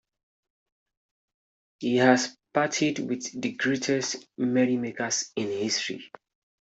He has partied with the greatest merrymakers in history.